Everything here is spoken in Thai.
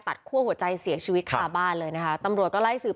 คั่วหัวใจเสียชีวิตคาบ้านเลยนะคะตำรวจก็ไล่สืบ